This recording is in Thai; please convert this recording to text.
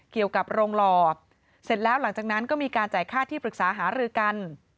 เกี่ยวกับโรงหล่อเสร็จแล้วหลังจากนั้นก็มีการจ่ายค่าที่ปรึกษาหารือกัน